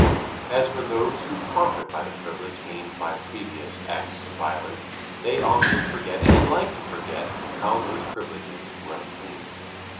As for those who profit by the privileges gained by previous acts of violence, they often forget and like to forget how these privileges were obtained.